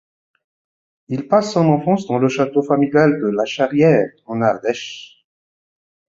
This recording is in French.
Il passe son enfance dans le château familial de la Charrière, en Ardèche.